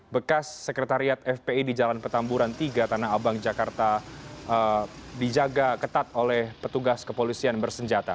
bekas sekretariat fpi di jalan petamburan tiga tanah abang jakarta dijaga ketat oleh petugas kepolisian bersenjata